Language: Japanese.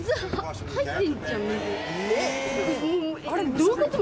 何？どういうこと？